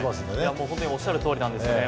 もう本当におっしゃる通りなんですね。